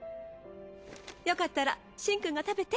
よかったらシンくんが食べて。